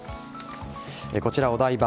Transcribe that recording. こちら、お台場